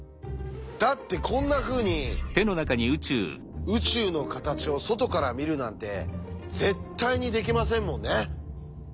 だってこんなふうに宇宙の形を外から見るなんて絶対にできませんもんね。